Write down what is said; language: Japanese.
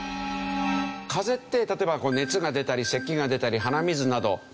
風邪って例えば熱が出たりせきが出たり鼻水などでしょ。